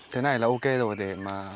thế này là ok rồi để mà